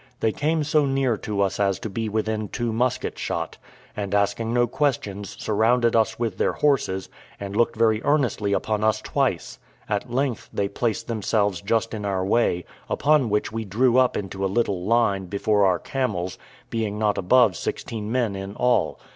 They came so near to us as to be within two musket shot, and, asking no questions, surrounded us with their horses, and looked very earnestly upon us twice; at length, they placed themselves just in our way; upon which we drew up in a little line, before our camels, being not above sixteen men in all.